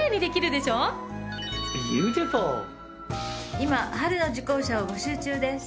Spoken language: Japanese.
今春の受講者を募集中です。